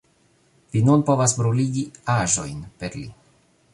Vi nun povas bruligi aĵojn per li